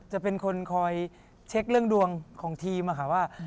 จะเป็นคนคอยเช็คเรื่องดวงของทีมค่ะว่า